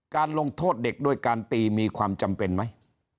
การลงโทษเด็กด้วยการตีมีความจำเป็นไหม